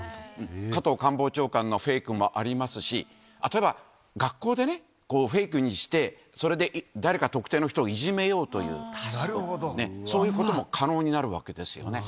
加藤官房長官のフェイクもありますし、例えば、学校でフェイクにして、それで誰か特定の人をいじめようという、そういうことも可能になるわけですよね。